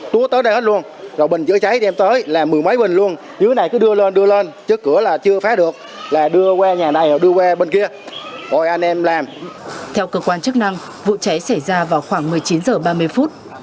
theo cơ quan chức năng vụ cháy xảy ra vào khoảng một mươi chín h ba mươi phút